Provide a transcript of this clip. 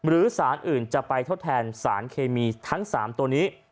หรือสารอื่นจะไปทดแทนสารเคมีทั้ง๓ตัวนี้